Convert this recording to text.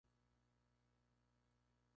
Raúl Martín.